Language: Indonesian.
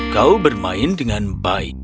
kau bermain dengan baik